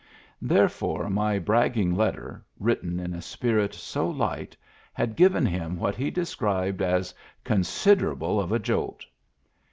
Therefore my bragging letter, written in a spirit so light, had given him what he described as " considerable of a jolt.